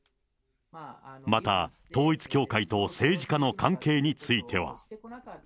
また、統一教会と政治家の関係については。